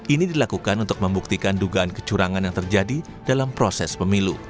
ini dilakukan untuk membuktikan dugaan kecurangan yang terjadi dalam proses pemilu